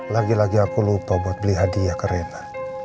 lagi lagi aku lupa buat beli hadiah ke reina